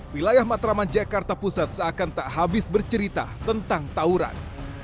wilayah matraman jakarta pusat seakan tak habis bercerita tentang tawuran